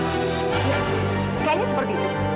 iya kayaknya seperti itu